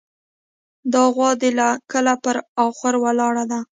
دا غوا دې له کله پر اخور ولاړه ده.